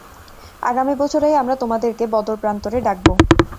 আগামী বছরেই আমরা তোমাদেরকে বদর প্রান্তরে ডাকব।